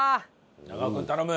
長尾君頼む！